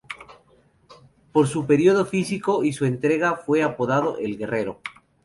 Por su poderío físico y su entrega fue apodado "El Guerrero".